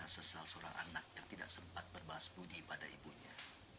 sesal seorang anak yang tidak sempat berbahas budi pada ibunya